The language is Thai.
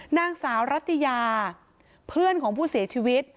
นางสาวรัตยาเพื่อนของผู้เสียชีวิต